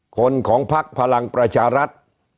ของพักพลังประชารัฐ